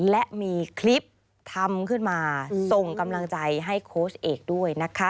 และมีคลิปทำขึ้นมาส่งกำลังใจให้โค้ชเอกด้วยนะคะ